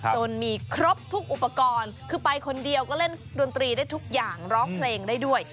จนมีครบทุกอุปกรณ์คือไปคนเดียวก็เล่นดนตรีได้ทุกอย่างร้องเพลงได้ด้วย